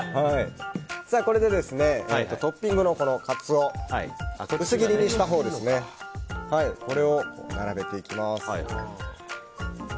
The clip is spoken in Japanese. これで、トッピングのカツオ薄切りにしたほうこれを並べていきます。